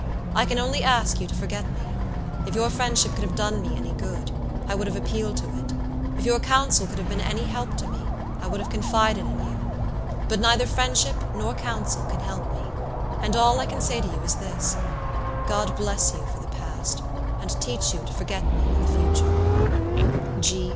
I can only ask you to forget me. If your friendship could have done me any good, I would have appealed to it. If your counsel could have been any help to me, I would have confided in you. But neither friendship nor counsel can help me; and all I can say to you is this, God bless you for the past, and teach you to forget me in the future.